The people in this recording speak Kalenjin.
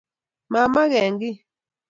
mameke kiy